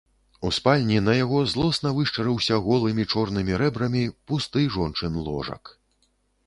У спальні на яго злосна вышчарыўся голымі чорнымі рэбрамі пусты жончын ложак.